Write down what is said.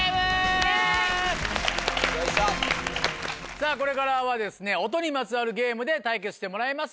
さぁこれからは音にまつわるゲームで対決してもらいます。